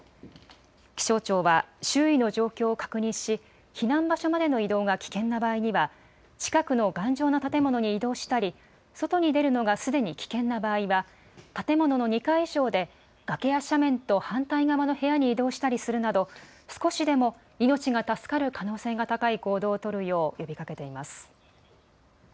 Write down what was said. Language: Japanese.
気象庁は、周囲の状況を確認し、避難場所までの移動が危険な場合には、近くの頑丈な建物に移動したり、外に出るのがすでに危険な場合は、建物の２階以上で、崖や斜面と反対側の部屋に移動したりするなど、少しでも命が助かる可能性が高い行動を取るよう呼びかけています。